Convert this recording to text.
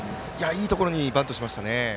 いいところにバントしました。